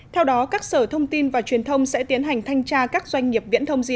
theo đó các sở thông tin và truyền thông sẽ tiến hành thanh tra các doanh nghiệp viễn thông di